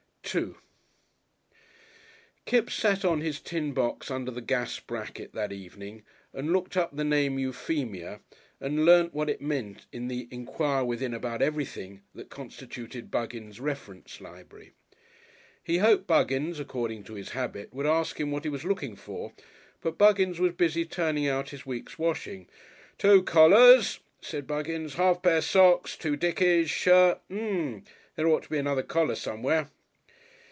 §2 Kipps sat on his tin box under the gas bracket that evening, and looked up the name Euphemia and learnt what it meant in the "Enquire Within About Everything" that constituted Buggins' reference library. He hoped Buggins, according to his habit, would ask him what he was looking for, but Buggins was busy turning out his week's washing. "Two collars," said Buggins, "half pair socks, two dickeys. Shirt?... M'm. There ought to be another collar somewhere."